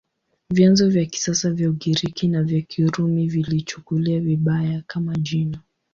Vyanzo vya kisasa vya Ugiriki na vya Kirumi viliichukulia vibaya, kama jina.